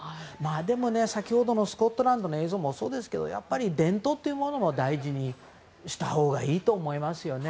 でもね先ほどのスコットランドの映像もそうですけど伝統というものも大事にしたほうがいいと思いますよね。